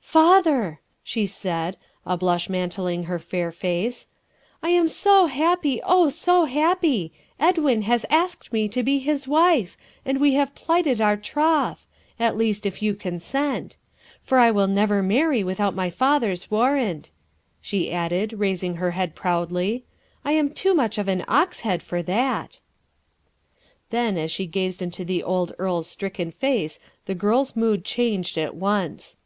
"Father," she said, a blush mantling her fair face, "I am so happy, oh so happy; Edwin has asked me to be his wife, and we have plighted our troth at least if you consent. For I will never marry without my father's warrant," she added, raising her head proudly; "I am too much of an Oxhead for that." Then as she gazed into the old earl's stricken face, the girl's mood changed at once.